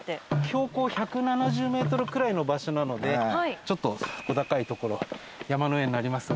標高１７０メートルくらいの場所なのでちょっと小高い所山の上になりますが。